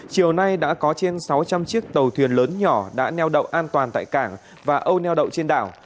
chiều nay đã có trên sáu trăm linh chiếc tàu thuyền lớn nhỏ đã neo đậu an toàn tại cảng và âu neo đậu trên đảo